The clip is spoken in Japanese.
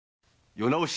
世直し